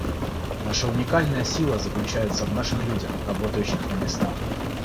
Наша уникальная сила заключается в наших людях, работающих на местах.